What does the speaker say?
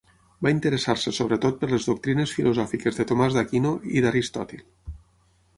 Va interessar-se sobretot per les doctrines filosòfiques de Tomàs d'Aquino i d'Aristòtil.